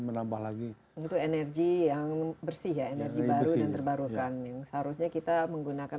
menambah lagi untuk energi yang bersih ya energi baru dan terbarukan yang seharusnya kita menggunakan